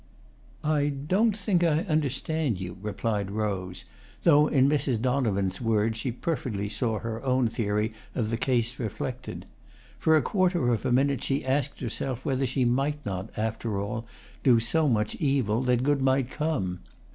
"I don't think I understand you," replied Rose, though in Mrs. Donovan's words she perfectly saw her own theory of the case reflected. For a quarter of a minute she asked herself whether she might not, after all, do so much evil that good might come.